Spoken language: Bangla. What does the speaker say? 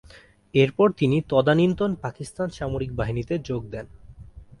এরপর তিনি তদানীন্তন পাকিস্তান সামরিক বাহিনীতে যোগ দেন।